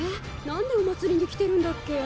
なんでお祭りに来てるんだっけ？